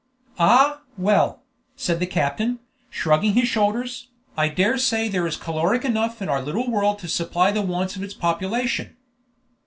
"Ah, well!" said the captain, shrugging his shoulders, "I dare say there is caloric enough in our little world to supply the wants of its population."